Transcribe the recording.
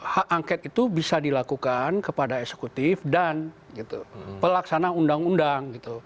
hak angket itu bisa dilakukan kepada eksekutif dan pelaksana undang undang